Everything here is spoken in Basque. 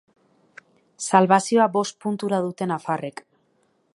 Salbazioa bost puntura dute nafarrek.